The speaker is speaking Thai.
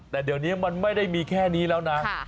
แต่เดี๋ยวนี้มันไม่ได้มีแค่นี้แล้วนะ